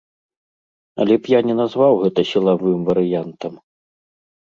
Але я б не назваў гэта сілавым варыянтам.